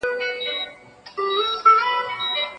احمد پرون په کلي کي یو نوی جومات ولیدی.